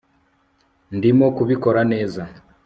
ndimo kubikora neza